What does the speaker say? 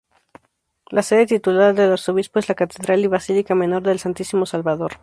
La sede titular del arzobispo es la Catedral y Basílica Menor del Santísimo Salvador.